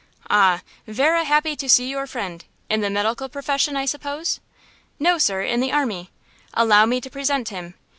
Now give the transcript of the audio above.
"Ah! vera happy to see your friend. In the medical profession, I suppose?" "No, sir; in the army. Allow me to present him.